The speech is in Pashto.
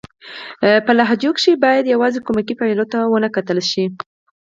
په لهجو کښي بايد يوازي کومکي فعلو ته و نه کتل سي.